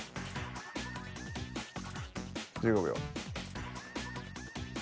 １５秒。